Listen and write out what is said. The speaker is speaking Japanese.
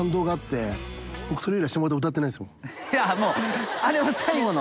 いやもうあれを最後の。